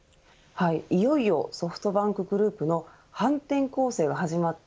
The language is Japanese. いよいよソフトバンクグループの反転攻勢が始まった。